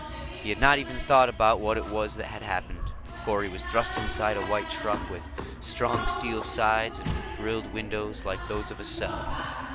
He had not even thought about what it was that had happened, before he was thrust inside a white truck, with strong steel sides and with grilled windows like those of a cell.